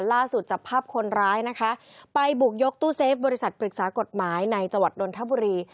ล่าสุดจับภาพคนร้ายนะคะไปบุกยกตู้เซฟบริษัทปรึกษากฎหมายในจังหวัดนทบุรี